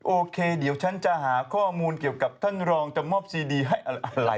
โอเคเดี๋ยวฉันจะหาข้อมูลเกี่ยวกับท่านรองจะมอบซีดีให้อะไร